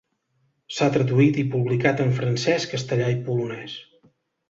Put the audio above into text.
S'ha traduït i publicat en francès, castellà i polonès.